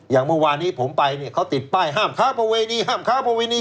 อย่างเมื่อวานนี้ผมไปเนี่ยเขาติดป้ายห้ามค้าประเวณีห้ามค้าประเวณี